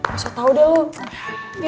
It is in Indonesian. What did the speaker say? masih tau deh lo